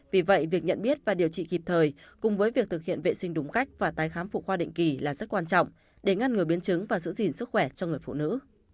vì vậy việc nhận biết và điều trị kịp thời cùng với việc thực hiện vệ sinh đúng cách và tái khám phụ khoa định kỳ là rất quan trọng để ngăn ngừa biến chứng và giữ gìn sức khỏe cho người phụ nữ